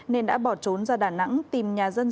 nên đã bỏ trốn ra đà nẵng tìm nhà dân